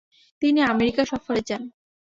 তিনি আমেরিকা সফরে যান।